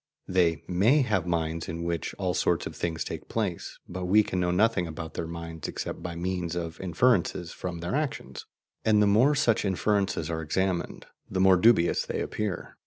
They MAY have minds in which all sorts of things take place, but we can know nothing about their minds except by means of inferences from their actions; and the more such inferences are examined, the more dubious they appear.